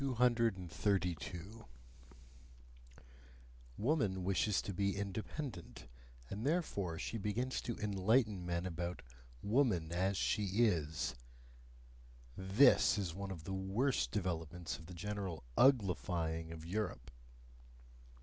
232. Woman wishes to be independent, and therefore she begins to enlighten men about "woman as she is" THIS is one of the worst developments of the general UGLIFYING of Europe.